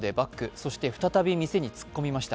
そして再び店に突っ込みました。